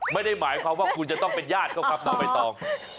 ไม่ได้หมายความว่าคุณจะต้องเป็นญาติเขาครับน้องใบตอง